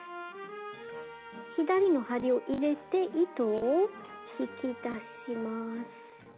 左の針を入れて糸を引き出します。